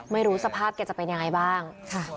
ไม่รู้สภาพแกจะเป็นยังไงบ้าง